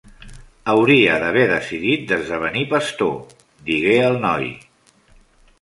"Hauria d'haver decidit d'esdevenir pastor", digué el noi.